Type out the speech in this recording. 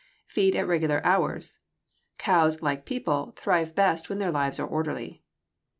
Feed at regular hours. Cows, like people, thrive best when their lives are orderly.